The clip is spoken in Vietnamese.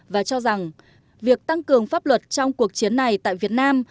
và cho rằng việc tăng cường pháp luật trong cuộc chiến này tại việt nam